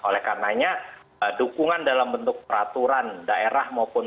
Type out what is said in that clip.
oleh karenanya dukungan dalam bentuk peraturan daerah maupun